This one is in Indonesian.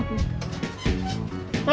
tak paham aku